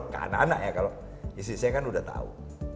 ke anak anak ya kalau istri saya kan udah tahu